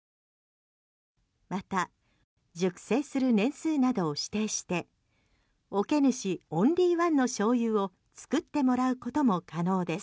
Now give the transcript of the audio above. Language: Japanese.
また、熟成する年数などを指定して桶主オンリーワンのしょうゆを作ってもらうことも可能です。